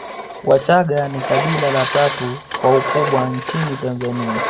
Wachagga ni kabila la tatu kwa ukubwa nchini Tanzania